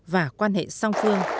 và quan hệ song phương